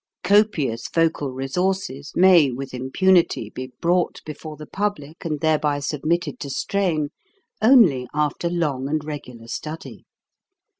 Copious vocal resources may with impunity be brought before the public and thereby submitted to strain, only after long and regular study.